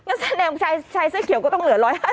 แสดงชายเสื้อเขียวก็ต้องเหลือ๑๕๐